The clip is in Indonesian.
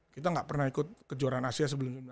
kita enggak pernah ikut kejuaraan asia sebelum itu